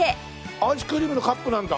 アイスクリームのカップなんだ。